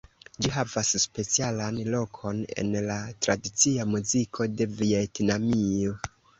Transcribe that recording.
Ĝi havas specialan lokon en la tradicia muziko de Vjetnamio.